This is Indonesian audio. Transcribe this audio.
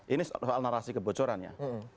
ini soal narasi kebocoran ya